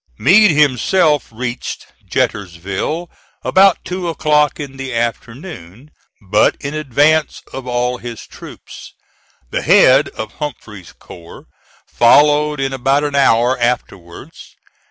Meade himself reached Jetersville about two o'clock in the afternoon, but in advance of all his troops. The head of Humphreys's corps followed in about an hour afterwards.